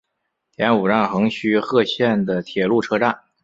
田浦站横须贺线的铁路车站。